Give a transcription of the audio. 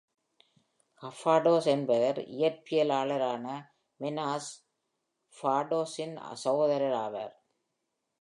Kafatos என்பவர் இயற்பியலாளரான மெனாஸ் கஃபாடோஸின் சகோதரர் ஆவார்.